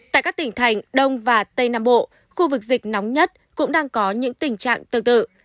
tại các tỉnh thành đông và tây nam bộ khu vực dịch nóng nhất cũng đang có những tình trạng tương tự